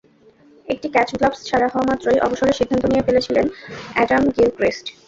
একটি catch gloves ছাড়া হওয়া মাত্রই অবসরের সিদ্ধান্ত নিয়ে ফেলেছিলেন অ্যাডাম গিলক্রিস্ট।